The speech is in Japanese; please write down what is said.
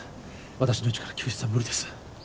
私の位置から救出は無理です